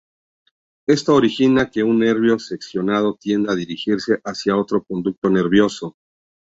Esto origina que un nervio seccionado tienda a dirigirse hacia otro conducto nervioso.